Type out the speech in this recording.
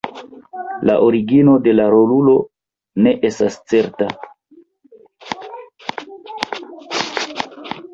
La origino de la rolulo ne estas certa.